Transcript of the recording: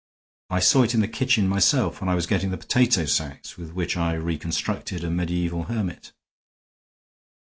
I saw it in the kitchen myself when I was getting the potato sacks with which I reconstructed a mediaeval hermit."